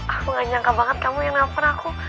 aku gak nyangka banget kamu yang naper aku